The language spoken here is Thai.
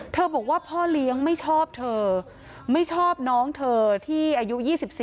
บอกว่าพ่อเลี้ยงไม่ชอบเธอไม่ชอบน้องเธอที่อายุ๒๔